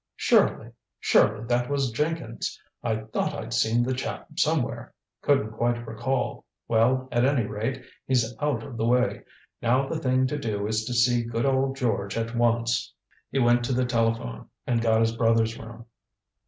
"Surely! Surely that was Jenkins! I thought I'd seen the chap somewhere couldn't quite recall Well, at any rate, he's out of the way. Now the thing to do is to see good old George at once " He went to the telephone, and got his brother's room.